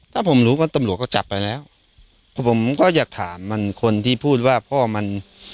ถ้าผมรู้ก็ตำรวจก็จับไปแล้วผมก็อยากถามมันคนที่พูดว่าพ่อมัน